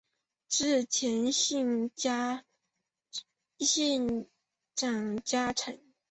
织田信长家臣。